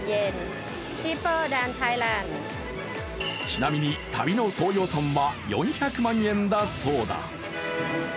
ちなみに、旅の総予算は４００万円だそうだ。